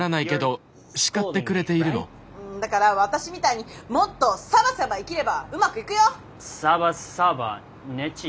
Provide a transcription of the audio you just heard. うんだから私みたいにもっとサバサバ生きればうまくいくよ！